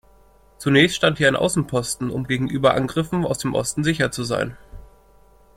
Zunächst stand hier ein Außenposten, um gegenüber Angriffen aus dem Osten sicher zu sein.